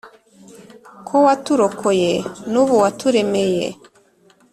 Ko waturokoye nubu waturemeye